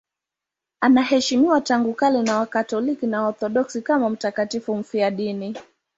Anaheshimiwa tangu kale na Wakatoliki na Waorthodoksi kama mtakatifu mfiadini.